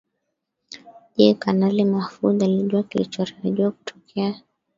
Je Kanali Mahfoudh alijua kilichotarajiwa kutokea